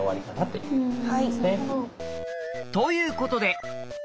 ということで。